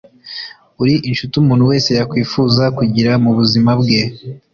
uri inshuti umuntu wese yakwifuza kugira mu buzima bwe